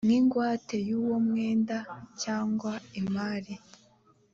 nk ingwate y uwo mwenda cyangwa imari